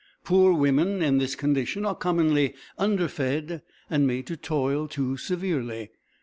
Poor women in this condition are commonly underfed and made to toil too severely.